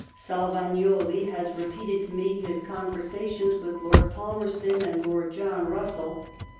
Salyagnoli has repeated to mo bis conversations with Lord Palmerston and Lord John Bnssell.